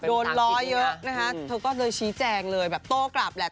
ล้อเยอะนะคะเธอก็เลยชี้แจงเลยแบบโต้กลับแหละ